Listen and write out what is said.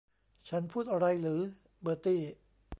ฉันพูดอะไรหรือ เบอร์ตี้